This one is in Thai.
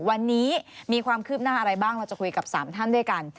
วันนี้มีความคืบหน้าอะไรบ้างเราจะคุยกับ๓ท่านด้วยกัน